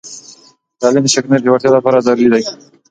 تعلیم د شراکتونو د پیاوړتیا لپاره ضروری دی.